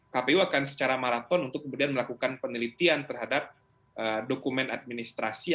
kpu akan secara maraton untuk kemudian melakukan penelitian terhadap dokumen administrasi